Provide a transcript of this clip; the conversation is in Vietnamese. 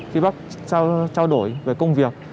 khi bác trao đổi về công việc